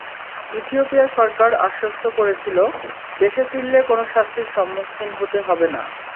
Ethiopia সরকার আশ্বস্ত করেছিল, দেশে ফিরলে কোনো শাস্তির সম্মুখীন হতে হবে না।